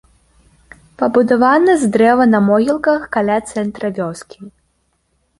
Пабудавана з дрэва на могілках, каля цэнтра вёскі.